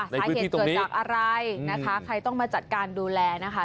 ในพื้นที่ตรงนี้ถ้าเหตุเกิดจากอะไรนะคะใครต้องมาจัดการดูแลนะคะ